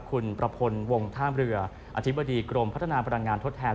คุณประพลวงท่ามเรืออธิบดีกรมพัฒนาพลังงานทดแทน